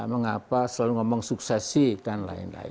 mengapa selalu ngomong suksesi dan lain lain